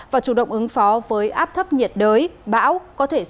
và chủ động ứng phó với mưa lớn lốc xét mưa đá gió giật mạnh lũ ngập lụt lũ quét xả lở đất